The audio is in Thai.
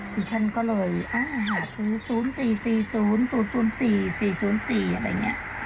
ที่ฉันก็เลยอาหาร๐๔๔๐๐๔๔๐๔อะไรอย่างนี้